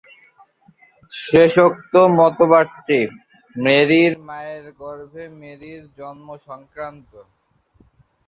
শেষোক্ত মতবাদটি, মেরির মায়ের গর্ভে মেরির জন্ম-সংক্রান্ত।